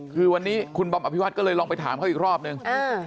คือวันนี้คุณบอมอภิวัตก็เลยลองไปถามเขาอีกรอบนึง